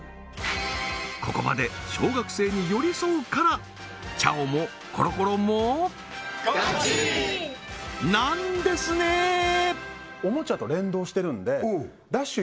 ここまで小学生に寄り添うからちゃおもコロコロもなんですねおもちゃと連動してるんでダッシュ！